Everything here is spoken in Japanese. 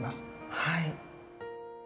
はい。